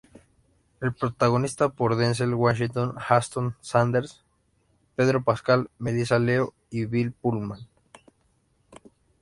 Es protagonizada por Denzel Washington, Ashton Sanders, Pedro Pascal, Melissa Leo y Bill Pullman.